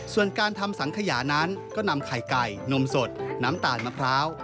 ส่วนการทำสังขยานั้นก็นำไข่ไก่นมสดน้ำตาลมะพร้าว